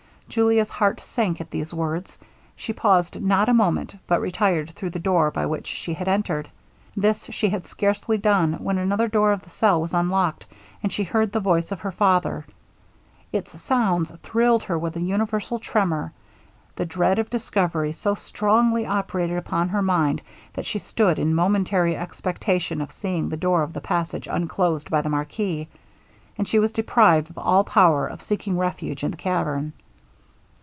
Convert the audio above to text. Julia's heart sunk at these words; she paused not a moment, but retired through the door by which she had entered. This she had scarcely done, when another door of the cell was unlocked, and she heard the voice of her father. Its sounds thrilled her with a universal tremour; the dread of discovery so strongly operated upon her mind, that she stood in momentary expectation of seeing the door of the passage unclosed by the marquis; and she was deprived of all power of seeking refuge in the cavern.